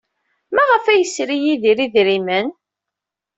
Maɣef ay yesri Yidir idrimen?